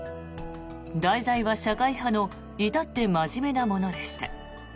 題材は社会派の至って真面目なものでした。